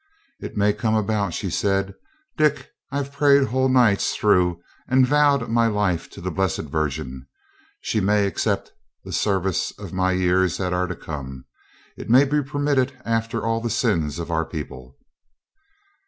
'It may come about,' she said, 'Dick. I've prayed whole nights through and vowed my life to the Blessed Virgin. She may accept the service of my years that are to come. It may be permitted after all the sins of our people.'